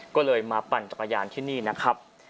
ก็เลยมาปั่นจักรยานที่นี่นะครับ